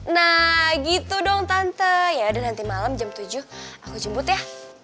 nah gitu dong tante yaudah nanti malem jam tujuh aku jemput ya